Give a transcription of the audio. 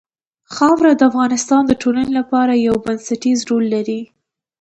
خاوره د افغانستان د ټولنې لپاره یو بنسټيز رول لري.